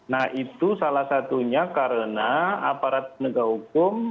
nah itu salah satunya karena aparat penegak hukum